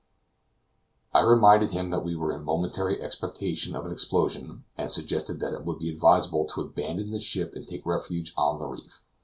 I reminded him that we were in momentary expectation of an explosion, and suggested that it would be advisable to abandon the ship and take refuge on the reef.